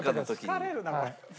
疲れるなこれ。